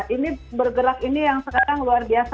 ini bergerak ini yang sekarang luar biasa